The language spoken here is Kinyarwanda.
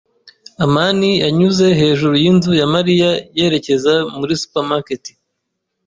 amani yanyuze hejuru yinzu ya Mariya yerekeza muri supermarket.